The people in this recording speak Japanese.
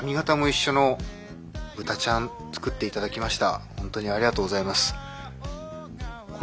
私のほんとにありがとうございます。